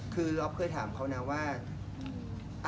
คืออ๊อฟเคยถามเขานะว่า